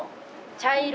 茶色。